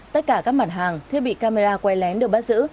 tất cả các mặt hàng thiết bị camera quay lén được bắt giữ